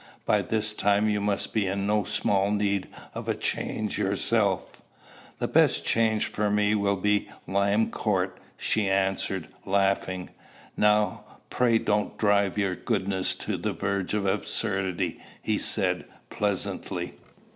"By this time you must be in no small need of a change yourself." "The best change for me will be Lime Court," she answered, laughing. "Now, pray don't drive your goodness to the verge of absurdity," he said pleasantly.